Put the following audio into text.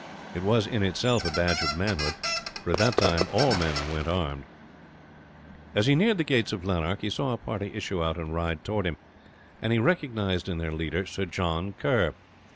It was in itself a badge of manhood, for at that time all men went armed. As he neared the gates of Lanark he saw a party issue out and ride towards him, and recognized in their leader Sir John Kerr.